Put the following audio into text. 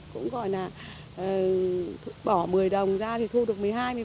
cũng gọi là bỏ một mươi đồng ra thì thu được một mươi hai một mươi ba